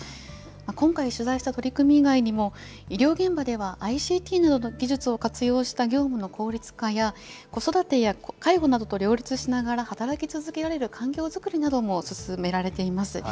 今回、取材した取り組み以外にも、医療現場ではＩＣＴなどの技術を活用した業務の効率化や、子育てや介護などと両立しながら働き続けられる環境づくりなども進められています。